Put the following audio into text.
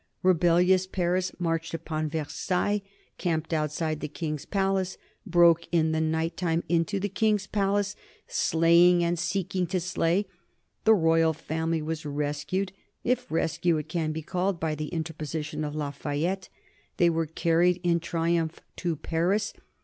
Rebellious Paris marched upon Versailles, camped outside the King's palace; broke in the night time into the King's palace, slaying and seeking to slay. The Royal Family were rescued, if rescue it can be called, by the interposition of Lafayette. They were carried in triumph to Paris.